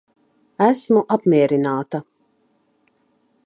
Esmu apmierināta.